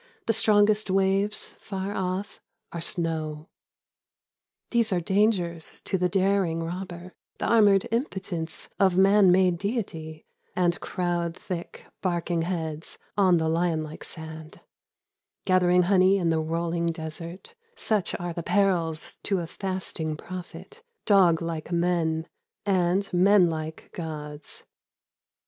The strongest waves, far off, are snow. 60 " Laughing Lions Will Come." These are dangers to the daring robber, The armoured impotence of man made deity. And crowd thick, barking heads, on the Uon Uke sand. Gathering honey in the roUing desert, Such are the perils to a fasting prophet — Dog hkc men, and men hke gods.